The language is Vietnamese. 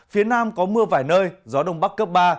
phía nam có mưa vài nơi gió đông bắc cấp ba